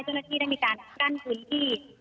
เจ้าหน้าที่ได้มีการกั้นพื้นที่